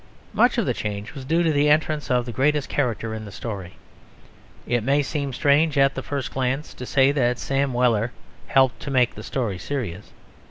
Much of the change was due to the entrance of the greatest character in the story. It may seem strange at the first glance to say that Sam Weller helped to make the story serious.